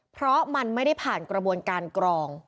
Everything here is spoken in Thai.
เพราะมันไม่ได้ผ่านกระบวนการกรอง